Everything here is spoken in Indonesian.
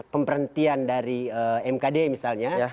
pemberhentian dari mkd misalnya